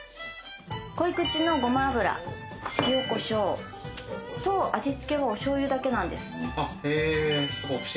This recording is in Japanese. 濃口のごま油、塩コショウ、味付けはおしょうゆだけなんですね。